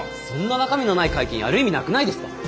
そんな中身のない会見やる意味なくないですか？